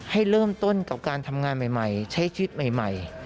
ให้เริ่มต้นกับการทำงานใหม่ใช้ชีวิตใหม่